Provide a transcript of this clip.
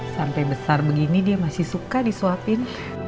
sampai besar begini dia masih suka disuapin